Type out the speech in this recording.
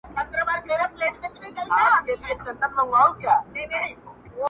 چي ته ئې يووړې، گوا زه ئې يووړم.